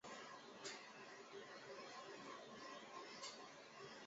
开埠以前有制造石灰与瓷器。